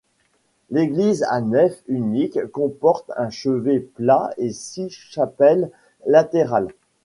L'église à nef unique comporte un chevet plat et six chapelles latérales.